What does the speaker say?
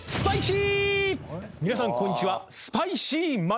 皆さんこんにちは。